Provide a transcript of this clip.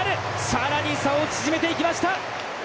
さらに差を縮めていきました！